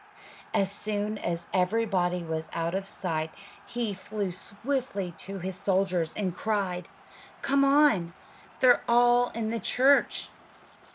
As soon as everybody was out of sight he flew swiftly to his soldiers and cried, "Come on; they're all in the church."